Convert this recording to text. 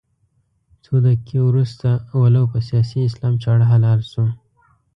څو دقيقې وروسته ولو په سیاسي اسلام چاړه حلال شو.